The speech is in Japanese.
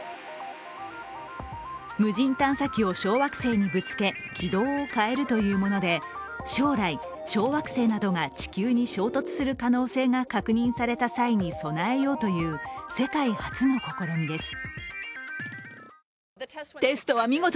無人探査機を小惑星にぶつけ、軌道を変えるというもので将来小惑星などが地球に衝突する可能性が確認された際に備えようという世界初の試みです。